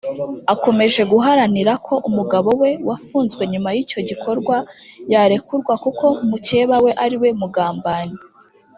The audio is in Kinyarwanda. akomeje guharanira ko umugabo we wafunzwe nyuma y’icyo gikorwa yarekurwa kuko mukeba we ariwe mugambanyi